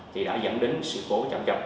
thì đã dẫn đến sự cố chạm chập